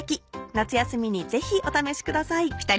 夏休みにぜひお試しください。